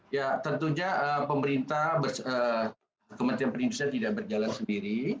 ya tentunya pemerintah kementerian perindustrian tidak berjalan sendiri